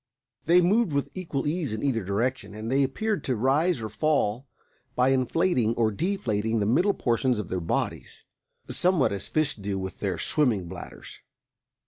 They moved with equal ease in either direction, and they appeared to rise or fall by inflating or deflating the middle portions of their bodies, somewhat as fish do with their swimming bladders.